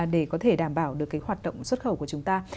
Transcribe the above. để có thể đảm bảo được cái hoạt động xuất khẩu của chúng ta